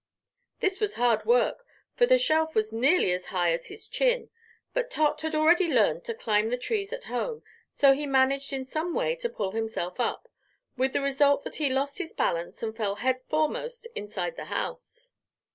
This was hard work, for the shelf was nearly as high as his chin. But Tot had already learned to climb the trees at home, so he managed in some way to pull himself up, with the result that he lost his balance and fell head foremost inside the house.